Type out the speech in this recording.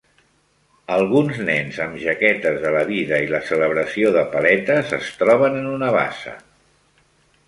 Alguns nens amb jaquetes de la vida i la celebració de paletes es troben en una bassa